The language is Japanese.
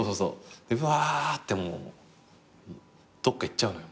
でうわってもうどっか行っちゃうのよ。